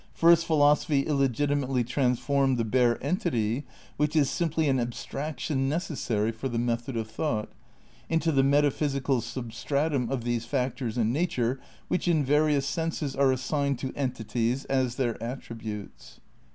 . first philosophy illegiti mately transformed the bare entity, which is simply an abstraction necessary for the method of thought, into the metaphysical sub stratum of these factors in nature which in various senses are as signed to entities as their attributes."